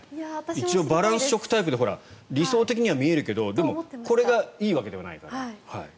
一応バランス食タイプで理想的には見えるけどでも、これがいいわけではない。